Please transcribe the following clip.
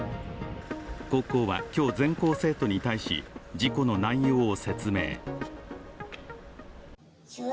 高校は今日、全校生徒に対し事故の内容を説明。